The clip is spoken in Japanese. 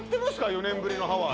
４年ぶりのハワイ。